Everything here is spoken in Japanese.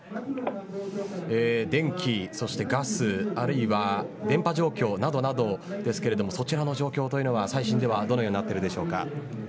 電気そしてガスあるいは電波状況などなどですけれどもそちらの状況というのは最新では、どのようになっているでしょうか。